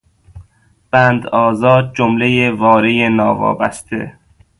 بند آزاد، جمله وارهی ناوابسته